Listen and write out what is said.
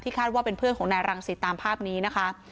คาดว่าเป็นเพื่อนของนายรังสิตตามภาพนี้นะคะ